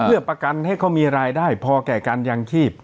เพื่อประกันให้เขามีรายได้พอแก่การยางชีพ